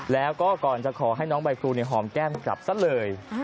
แล้วก็ก่อนจะขอให้น้องใบพลูหอมแก้มกลับซะเลย